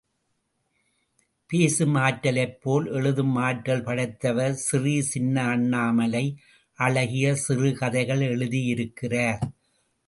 பேசும் ஆற்றலைப்போல் எழுதும் ஆற்றல் படைத்தவர் ஸ்ரீ சின்ன அண்ணாமலை, அழகிய சிறு கதைகள் எழுதியிருக்கிறார்.